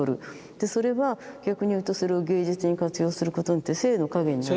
でそれは逆にいうとそれを芸術に活用することによって生の影になる。